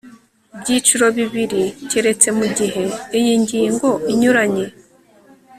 byiciro bibiri keretse mu gihe iyi ngingo inyuranye